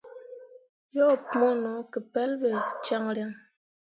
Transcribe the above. Yo pũũ no ke pelɓe caŋryaŋ.